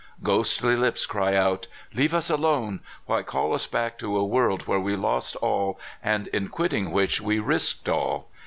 Ghostly lips cry out : "Leave us alone ! Why call us back to a world where we lost all, and in quitting w^hich we risked all?